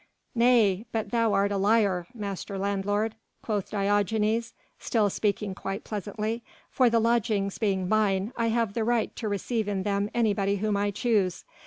"Nay! but thou art a liar, Master Landlord," quoth Diogenes still speaking quite pleasantly, "for the lodgings being mine, I have the right to receive in them anybody whom I choose.